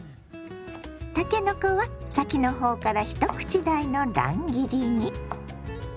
たけのこは先の方から一口大の乱切りに。